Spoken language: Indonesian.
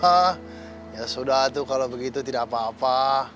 ah ya sudah tuh kalau begitu tidak apa apa